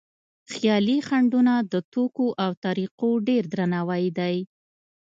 خیالي خنډونه د توکو او طریقو ډېر درناوی دی.